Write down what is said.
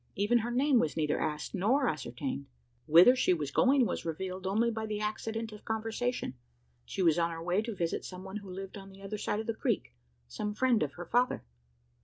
Even her name was neither asked nor ascertained! Whither she was going was revealed only by the accident of conversation. She was on her way to visit some one who lived on the other side of the creek some friend of her father.